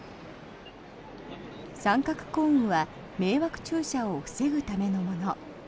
三角コーンは迷惑駐車を防ぐためのもの。